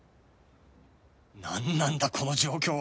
なんなんだこの状況は